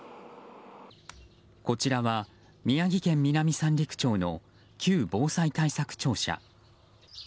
こちらは宮城県南三陸町の旧防災対策庁舎。